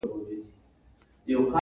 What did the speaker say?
په دویمه برخه کې د جین شارپ نظریه ده.